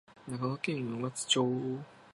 長野県上松町